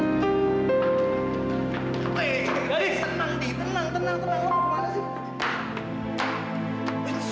lo mau kemana sih